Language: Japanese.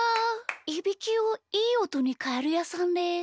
いびきをいいおとにかえるやさんです。